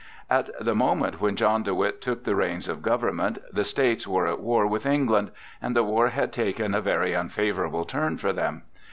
At the moment when John de Witt took the reins of government, the states were at war with England, and the war had taken a very unfavorable turn for them.